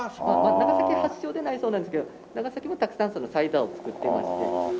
長崎発祥ではないそうなんですけど長崎もたくさんサイダーを作っていまして。